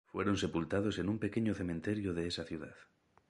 Fueron sepultados en un pequeño cementerio de esa ciudad.